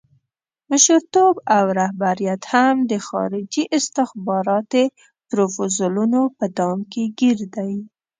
مشرتوب او رهبریت هم د خارجي استخباراتي پروفوزلونو په دام کې ګیر دی.